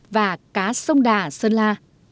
và cá sông đà sơn la